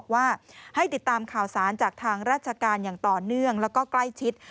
ว่าให้ติดตามข่าวสารจากทางราชการอย่างต่อเนื่องแล้วก็ใกล้ชิด